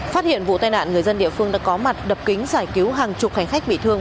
phát hiện vụ tai nạn người dân địa phương đã có mặt đập kính giải cứu hàng chục hành khách bị thương